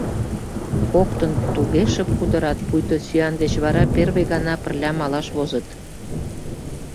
Коктын туге шып кутырат, пуйто сӱан деч вара первый гана пырля малаш возыт.